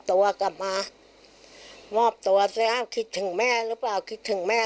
ตัวกลับมามอบตัวซะคิดถึงแม่หรือเปล่าคิดถึงแม่